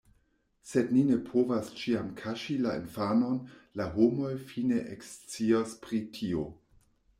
Sed ni ne povas ĉiam kaŝi la infanon, la homoj fine ekscios pri tio...